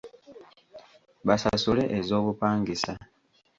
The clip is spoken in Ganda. Basasule ez'obupangisa.